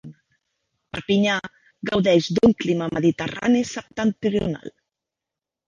Perpinyà gaudeix d'un clima mediterrani septentrional.